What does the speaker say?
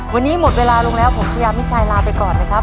วันนี้หมดเวลาลงแล้วผมชายามิชัยลาไปก่อนนะครับ